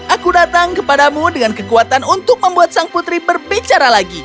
aku datang kepadamu dengan kekuatan untuk membuat sang putri berbicara lagi